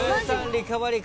リカバリー